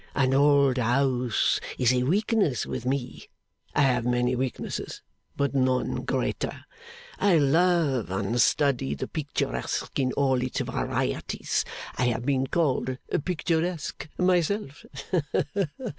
An old house is a weakness with me. I have many weaknesses, but none greater. I love and study the picturesque in all its varieties. I have been called picturesque myself.